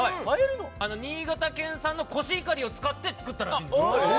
新潟県産のコシヒカリを使って作ったそうです。